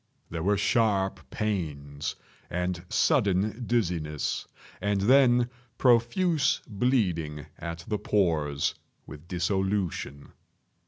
There were sharp pains, and sudden dizziness, and then profuse bleeding at the pores, with dissolution.